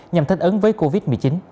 nhằm thích ứng với covid một mươi chín